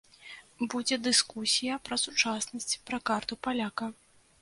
Будзе дыскусія пра сучаснасць, пра карту паляка.